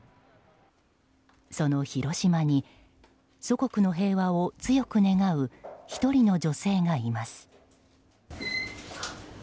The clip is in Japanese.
その広島に祖国の平和を強く願う１人の女性がいます。